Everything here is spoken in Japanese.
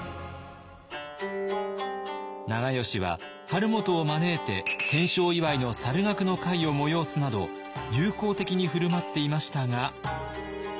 長慶は晴元を招いて戦勝祝いの猿楽の会を催すなど友好的に振る舞っていましたが。